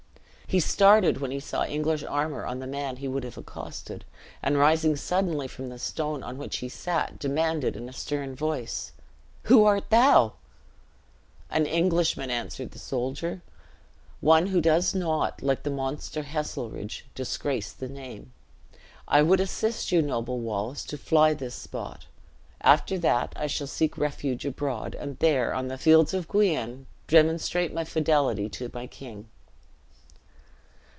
He started when he saw English armor on the man he would have accosted, and rising suddenly from the stone on which he sat, demanded, in a stern voice, "Who art thou?" "An Englishman," answered the soldier; "one who does not, like the monster Heselrigge, disgrace the name. I would assist you, noble Wallace, to fly this spot. After that, I shall seek refuge abroad; and there, on the fields of Guienne, demonstrate my fidelity to my king."